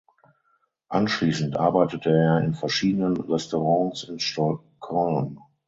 Anschließend arbeitete er in verschiedenen Restaurants in Stockholm.